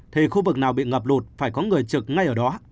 thì khu vực nào bị ngập lụt phải có người trực ngay ở đó